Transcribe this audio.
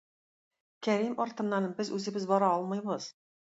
Кәрим артыннан без үзебез бара алмыйбыз.